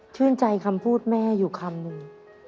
ชื่นใจคำพูดแม่อยู่คำนึง